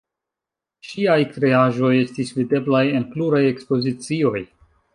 Ŝiaj kreaĵoj estis videblaj en pluraj ekspozicioj.